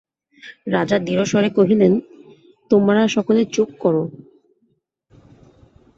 রাজা দৃঢ়স্বরে কহিলেন, তোমারা সকলে চুপ করো।